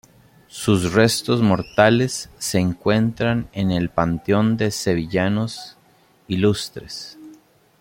Sus restos mortales se encuentran en el Panteón de Sevillanos Ilustres.